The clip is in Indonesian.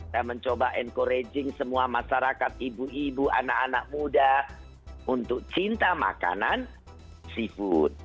dan mencoba encouraging semua masyarakat ibu ibu anak anak muda untuk cinta makanan seafood